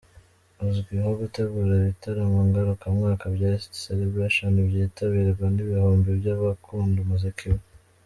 Azwiho gutegura ibitaramo ngarukamwaka bya ‘East Celebration’ byitabirwa n’ibihumbi by’abakunda umuziki we.